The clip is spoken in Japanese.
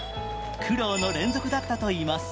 苦労の連続だったといいます。